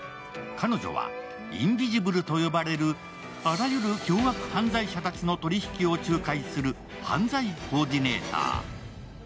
彼女はインビジブルと呼ばれる、あらゆる凶悪犯罪者たちの取引きを仲介する犯罪コーディネーター。